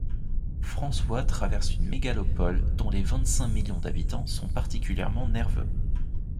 François traverse une mégalopole dont les vingt-cinq millions d'habitants sont particulièrement nerveux.